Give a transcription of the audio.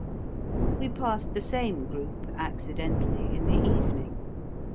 We passed the same group, accidentally, in the evening.